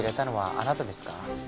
あなたですか？